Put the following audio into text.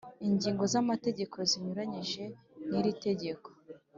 Ingingo z’ amategeko zinyuranyije n’ iri tegeko